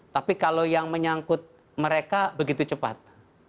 tapi kalau yang menyangkut mereka begitu cepat